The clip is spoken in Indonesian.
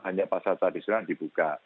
hanya pasar tradisional dibuka